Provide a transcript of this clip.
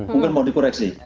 mungkin mau dikoreksi